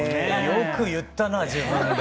よく言ったな自分で。